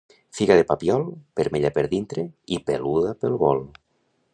Figa de Papiol, vermella per dintre i peluda pel volt.